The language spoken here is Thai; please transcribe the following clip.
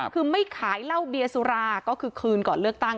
คือไม่ขายเหล้าเบียร์สุราก็คือคืนก่อนเลือกตั้ง